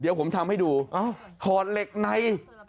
เดี๋ยวผมทำให้ดูถอดเหล็กใน